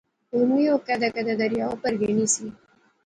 ہن وی او کیدے کیدے دریا اپر گینی سی